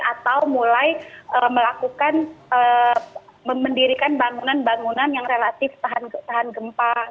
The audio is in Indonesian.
atau mulai melakukan memendirikan bangunan bangunan yang relatif tahan gempa